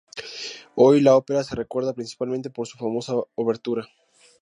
Hoy, la ópera se recuerda principalmente por su famosa obertura.